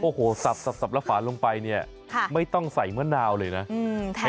โอ้โหสับแล้วฝาลงไปเนี่ยไม่ต้องใส่มะนาวเลยนะ